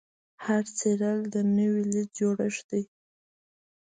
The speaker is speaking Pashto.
هر څیرل د نوې لید جوړښت دی.